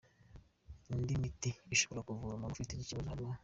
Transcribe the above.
Indi miti ishobora kuvura umuntu ufite iki kibazo harimo:.